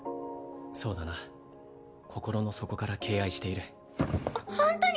そうだな心の底から敬愛しているホントに！？